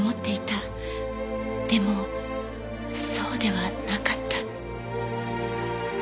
でもそうではなかった。